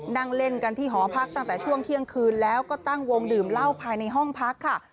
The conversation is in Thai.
นั่งเล่นกันที่หอพักตั้งแต่ช่วงเที่ยงคืนแล้วก็ตั้งวงดื่มเหล้าภายในห้องพักค่ะ